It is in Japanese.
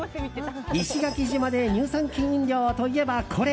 石垣島で乳酸菌飲料といえばこれ！